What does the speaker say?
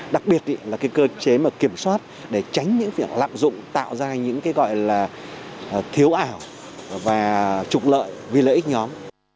đặc biệt là cái cơ chế mà kiểm soát để tránh những việc lạm dụng tạo ra những cái gọi là thiếu ảo và trục lợi vì lợi ích nhóm